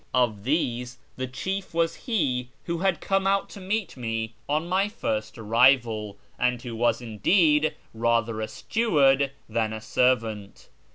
Of these the chief was he who had come out to meet me on my first arrival, and who was indeed rather a steward than a servant.